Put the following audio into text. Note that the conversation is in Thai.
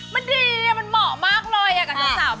มันดีมันเหมาะมากเลยกับสาว